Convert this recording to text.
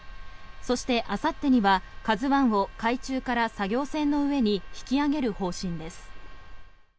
そして、あさってには「ＫＡＺＵ１」を海中から作業船の上に引き揚げる方針です。